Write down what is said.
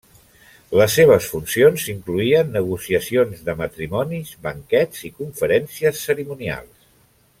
Les seves funcions incloïen negociacions de matrimonis, banquets i conferències cerimonials.